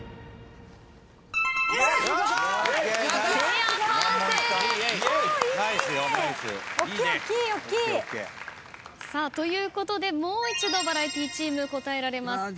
ペア完成！ということでもう一度バラエティチーム答えられます。